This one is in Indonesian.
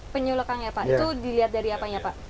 penyu lekang ya pak itu dilihat dari apanya pak